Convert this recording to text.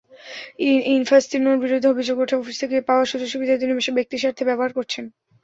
ইনফান্তিনোর বিরুদ্ধে অভিযোগ ওঠে, অফিস থেকে পাওয়া সুযোগ-সুবিধা তিনি ব্যক্তিস্বার্থে ব্যবহার করেছেন।